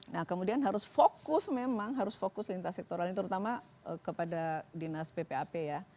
nah kemudian harus fokus memang harus fokus lintas sektoral ini terutama kepada dinas ppap ya